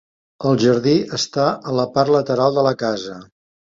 El jardí està a la part lateral de la casa.